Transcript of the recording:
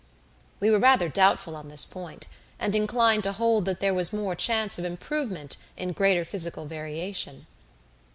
We were rather doubtful on this point, and inclined to hold that there was more chance of improvement in greater physical variation.